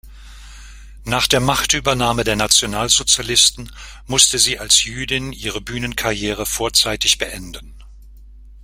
Nach der Machtübernahme der Nationalsozialisten musste sie als Jüdin ihre Bühnenkarriere vorzeitig beenden.